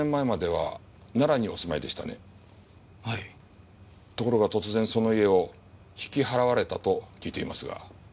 ところが突然その家を引き払われたと聞いていますが。